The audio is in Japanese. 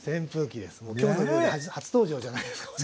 もう「きょうの料理」初登場じゃないですかこれ。